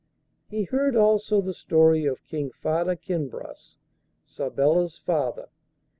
He heard also the story of King Farda Kinbras, Sabella's father.